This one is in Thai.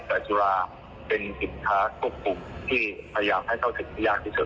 แต่จุฬาเป็นสินค้าควบคุมที่พยายามให้เข้าถึงยากที่สุด